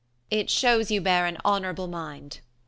Amb. It shews you bear an honourable mind.